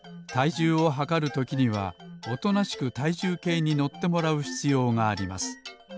じゅうをはかるときにはおとなしくたいじゅうけいにのってもらうひつようがあります。